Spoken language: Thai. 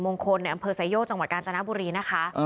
โมงคอลในอำเภอสายโยกจังหวัดกาณ์จานอะบุรีนะคะ